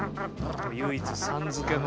唯一「さん」づけのね。